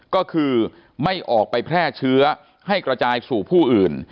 ก็คือไม่ออกไปแพร่เชื้อให้กระจายสู่ผู้อื่น